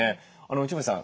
内堀さん